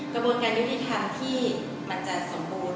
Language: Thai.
กระบวนการยุติธรรมที่มันจะสมบูรณ